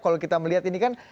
kalau kita melihat ini kan